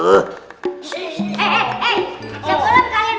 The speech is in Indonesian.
sebelum kalian merantem